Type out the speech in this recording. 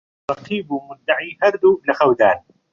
ڕەقیب و موددەعی هەردوو لە خەودان